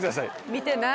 見てない。